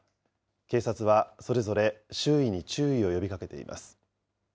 警察はそれぞれ周囲に注意を呼びかけています。